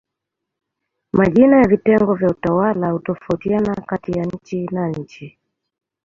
Majina ya vitengo vya kiutawala hutofautiana kati ya nchi na nchi.